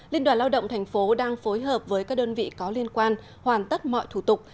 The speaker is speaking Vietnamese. liên đoàn lao động tp đang phối hợp với các đơn vị có liên quan hoàn tất mọi thủ tục